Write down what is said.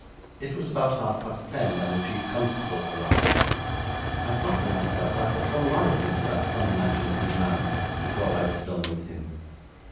It was about half past ten when the chief constable arrived. I flatter myself I put some life into that unimaginative man before I was done with him.